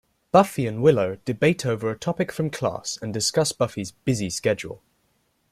Buffy and Willow debate over a topic from class and discuss Buffy's busy schedule.